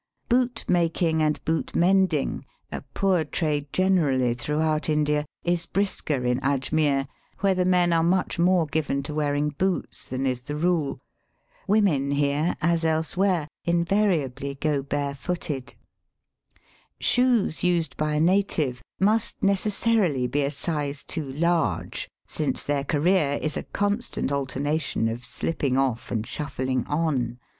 Boot making and boot mending, a poor Digitized by VjOOQIC OUT OF THE HURLY BUELY. 325 trade generally throughout India, is brisker in Ajmere, where the men are much more given to wearing boots than is the rule. Women here, as elsewhere, invariably go barefooted. Shoes used by a native must necessarily be a size too large, since their career is a constant alternation of slipping off and shuffling on.